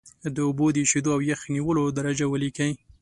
د اوبو د ایشېدو او یخ نیولو درجه ولیکئ.